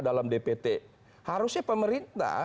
dalam dpt harusnya pemerintah